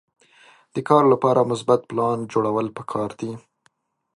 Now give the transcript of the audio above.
د کار لپاره مثبت پلان جوړول پکار دي.